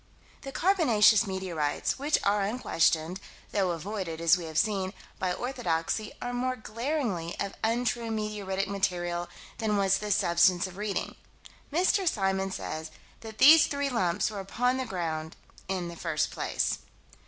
The carbonaceous meteorites, which are unquestioned though avoided, as we have seen by orthodoxy, are more glaringly of untrue meteoritic material than was this substance of Reading. Mr. Symons says that these three lumps were upon the ground "in the first place."